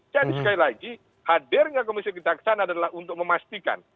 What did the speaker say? jadi sekali lagi hadirnya komisi kejaksaan adalah untuk memastikan